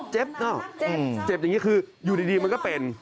เนอะเจ็บอย่างนี้คืออยู่ดีมันก็เป็น